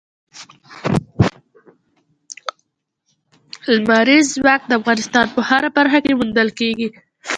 لمریز ځواک د افغانستان په هره برخه کې موندل کېږي.